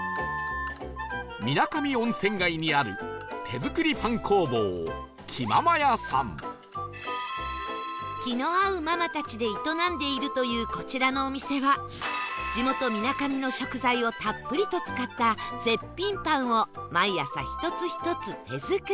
水上温泉街にある気の合うママたちで営んでいるというこちらのお店は地元みなかみの食材をたっぷりと使った絶品パンを毎朝１つ１つ手作り